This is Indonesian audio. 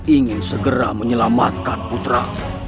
ingin segera menyelamatkan putra